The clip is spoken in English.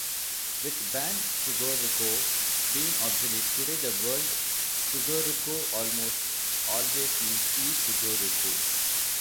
With "ban-sugoroku" being obsolete, today the word "sugoroku" almost always means "e-sugoroku".